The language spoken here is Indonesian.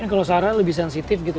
ini kalo sarah lebih sensitif gitu